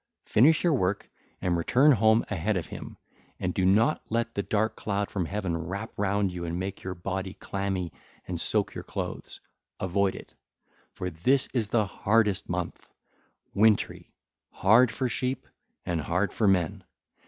Finish your work and return home ahead of him, and do not let the dark cloud from heaven wrap round you and make your body clammy and soak your clothes. Avoid it; for this is the hardest month, wintry, hard for sheep and hard for men.